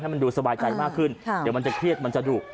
มันดูสบายใจมากขึ้นเดี๋ยวมันจะเครียดมันจะดุ